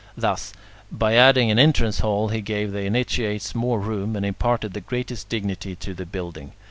Thus, by adding an entrance hall, he gave the initiates more room, and imparted the greatest dignity to the building.